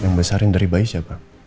yang besarin dari bayi siapa